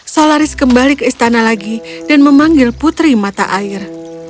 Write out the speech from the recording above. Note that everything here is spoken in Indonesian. solaris kembali ke istana lagi dan memanggil putri mata air